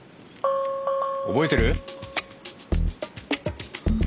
覚えてる？